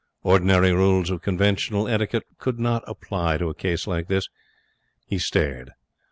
Ordinary rules of conventional etiquette could not apply to a case like this. He stared.